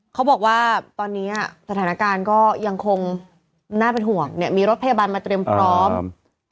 เขาบอกว่าตอนนี้อ่ะสถานการณ์ก็ยังคงน่าเป็นห่วงเนี่ยมีรถพยาบาลมาเตรียมพร้อมครับ